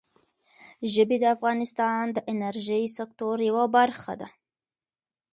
ژبې د افغانستان د انرژۍ سکتور یوه برخه ده.